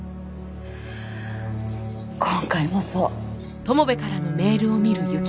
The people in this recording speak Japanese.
今回もそう。